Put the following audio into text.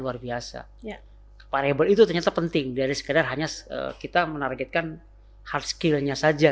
luar biasa ya variable itu ternyata penting dari sekedar hanya kita menargetkan hard skill nya saja